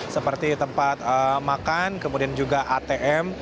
seperti tempat makan kemudian juga atm